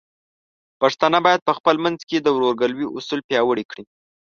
پښتانه بايد په خپل منځ کې د ورورګلوۍ اصول پیاوړي کړي.